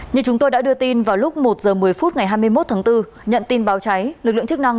như chúng tôi đã đưa tin vào lúc một h một mươi phút ngày hai mươi một tháng bốn nhận tin báo cháy lực lượng chức năng